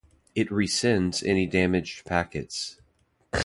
It resends any damaged packets.